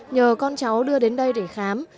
nhờ con cháu đưa đến đây để khám